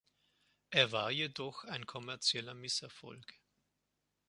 Er war jedoch ein kommerzieller Misserfolg.